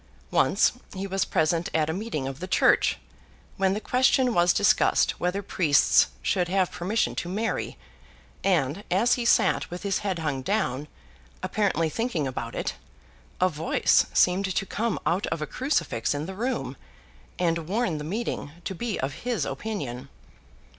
Once, he was present at a meeting of the Church, when the question was discussed whether priests should have permission to marry; and, as he sat with his head hung down, apparently thinking about it, a voice seemed to come out of a crucifix in the room, and warn the meeting to be of his opinion.